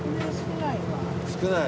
少ない？